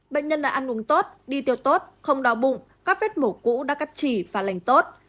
bệnh nhân đã ăn uống tốt đi tiêu tốt không đau bụng các vết mổ cũ đã cắt chỉ và lành tốt